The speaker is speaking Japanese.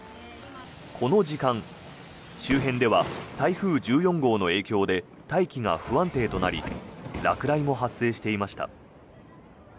この時間周辺では台風１４号の影響で大気が不安定となり落雷も発生していました。